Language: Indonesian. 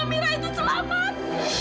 amirah itu selamat